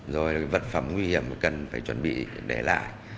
rồi vật phẩm nguy hiểm mà cần phải chuẩn bị để lại